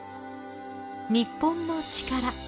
『日本のチカラ』